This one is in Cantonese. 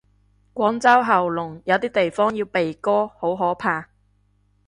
廣州喉嚨，有啲地方要鼻哥，好可怕。